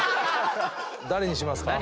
誰にしますか？